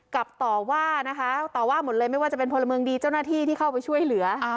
ต่อว่านะคะต่อว่าหมดเลยไม่ว่าจะเป็นพลเมืองดีเจ้าหน้าที่ที่เข้าไปช่วยเหลือ